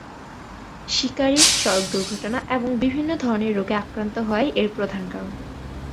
শিকারী, সড়ক দুর্ঘটনা এবং বিভিন্ন ধরনের রোগে আক্রান্ত হওয়াই এর প্রধান কারণ।